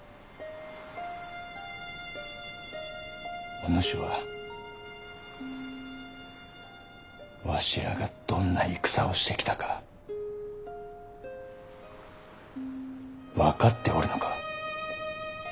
お主はわしらがどんな戦をしてきたか分かっておるのか？